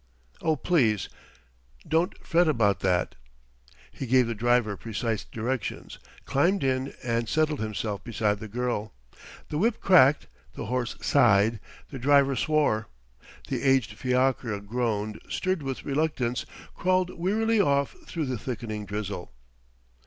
"Oh, please don't fret about that...." He gave the driver precise directions, climbed in, and settled himself beside the girl. The whip cracked, the horse sighed, the driver swore; the aged fiacre groaned, stirred with reluctance, crawled wearily off through the thickening drizzle.